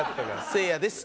せいやです。